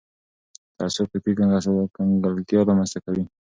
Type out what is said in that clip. تعصب فکري کنګلتیا رامنځته کوي